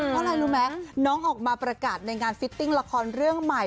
เพราะล่ะน้องออกมาประกาศในงานคอมตามราคาเรื่องใหม่